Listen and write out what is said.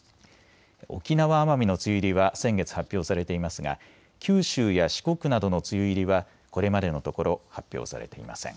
沖縄・奄美の梅雨入りは先月発表されていますが九州や四国などの梅雨入りはこれまでのところ発表されていません。